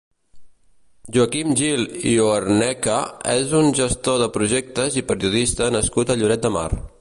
Joaquim Gil i Hoernecke és un gestor de projectes i periodista nascut a Lloret de Mar.